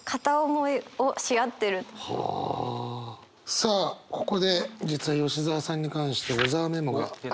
さあここで実は吉澤さんに関して小沢メモがありますので。